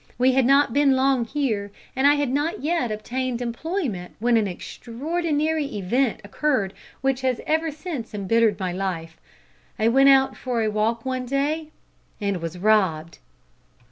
We had not been long here, and I had not yet obtained employment when an extraordinary event occurred which has ever since embittered my life. I went out for a walk one day, and was robbed."